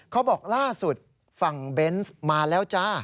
เขาบอกล่าสุดฝั่งเบนส์มาแล้วจ้า